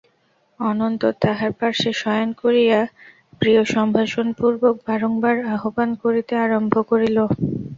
অনন্তর তাহার পার্শ্বে শয়ন করিয়া প্রিয়সম্ভাষণপূর্বক বারংবার আহ্বান করিতে আরম্ভ করিল।